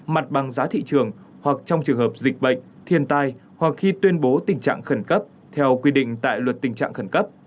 mặt bằng giá thị trường hoặc trong trường hợp dịch bệnh thiên tai hoặc khi tuyên bố tình trạng khẩn cấp theo quy định tại luật tình trạng khẩn cấp